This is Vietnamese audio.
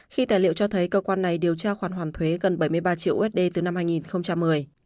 khi tài liệu cho thấy cơ quan này điều tra khoản hoàn thuế gần bảy mươi ba triệu usd từ năm hai nghìn một mươi